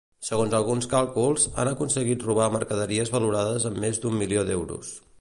Segons alguns càlculs, han aconseguit robar mercaderies valorades en més d'un milió d'euros.